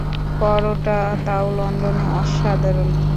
পরোটা, তাও লন্ডনে, অসাধারণ।